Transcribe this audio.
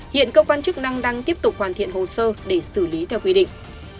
hiện cơ quan chức năng đang tiếp tục hoàn thiện hồ sơ để xử lý theo quy định